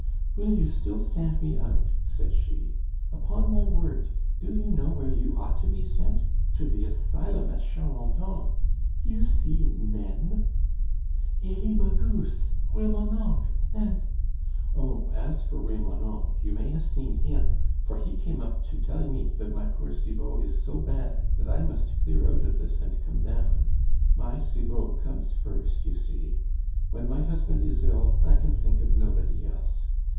"Will you still stand me out?" said she. "Upon my word, do you know where you ought to be sent? To the asylum at Charenton. You see men " "Elie Magus, Remonencq, and " "Oh! as for Remonencq, you may have seen him, for he came up to tell me that my poor Cibot is so bad that I must clear out of this and come down. My Cibot comes first, you see. When my husband is ill, I can think of nobody else.